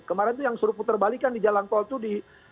kemarin itu yang suruh putar balik yang di jalan pol itu di